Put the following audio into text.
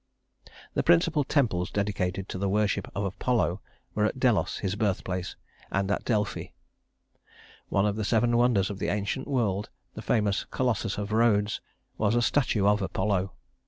The principal temples dedicated to the worship of Apollo were at Delos, his birthplace, and at Delphi. One of the Seven Wonders of the ancient world, the famous Colossus of Rhodes, was a statue of Apollo.